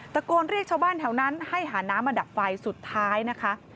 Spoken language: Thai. ตะโกนเรียกชาวบ้านแถวนั้นให้หาน้ำมาดับไฟสุดท้ายนะคะ